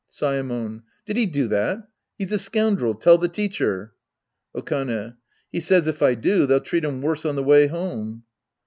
Saemon. Did he do that ? He's a scoundrel. Tell the teacher. Okane. He says if I do, they'll treat him worse on the way home.